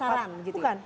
penasaran gitu ya